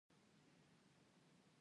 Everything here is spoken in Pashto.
ځینې لیکوالان درد توجیه کوي.